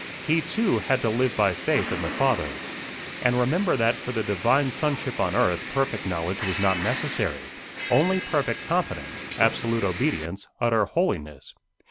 He too had to live by faith in the Father. And remember that for the Divine Sonship on earth perfect knowledge was not necessary, only perfect confidence, absolute obedience, utter holiness.